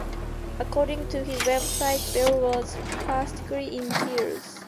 According to his website, Bell was practically in tears.